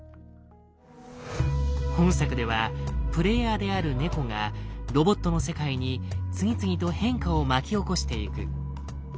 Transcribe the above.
本作ではプレイヤーである猫がロボットの世界に次々と変化を巻き起こしていく。